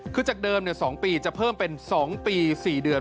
คือจากเดิม๒ปีจะเพิ่มเป็น๒ปี๔เดือน